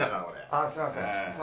あぁすいません。